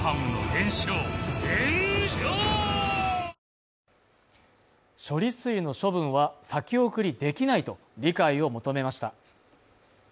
ニトリ処理水の処分は先送りできないと理解を求めました。